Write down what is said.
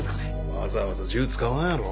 わざわざ銃使わんやろ。